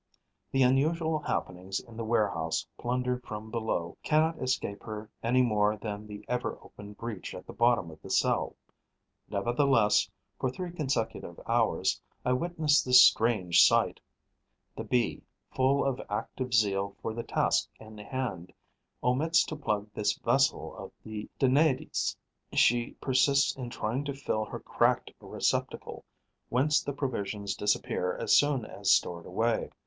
The unusual happenings in the warehouse plundered from below cannot escape her any more than the ever open breach at the bottom of the cell. Nevertheless, for three consecutive hours, I witness this strange sight: the Bee, full of active zeal for the task in hand, omits to plug this vessel of the Danaides. She persists in trying to fill her cracked receptacle, whence the provisions disappear as soon as stored away.